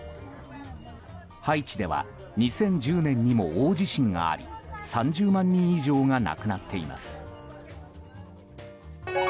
ハイチでは２０１０年にも大地震があり３０万人以上が亡くなっています。